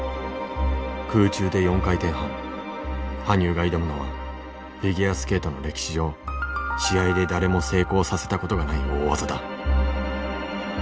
羽生が挑むのはフィギュアスケートの歴史上試合で誰も成功させたことがない大技だ。